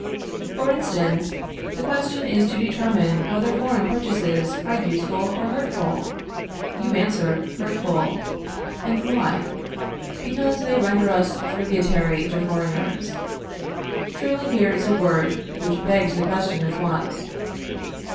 For instance, the question is to determine whether foreign purchases are useful or hurtful. You answer, hurtful. And why? Because they render us tributary to foreigners. Truly here is a word, which begs the question at once.